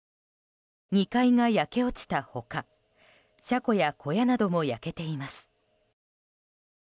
２階が焼け落ちた他車庫や小屋なども焼けています。